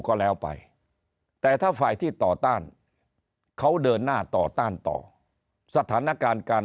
ก็แล้วไปแต่ถ้าฝ่ายที่ต่อต้านเขาเดินหน้าต่อต้านต่อสถานการณ์การ